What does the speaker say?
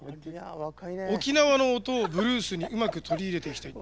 「沖縄の音をブルースにうまく取り入れていきたい」。